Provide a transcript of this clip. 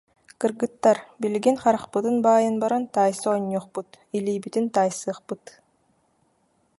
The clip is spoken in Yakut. Кыргыттар, билигин харахпытын баайан баран таайса оонньуохпут, илиибитин таайсыахпыт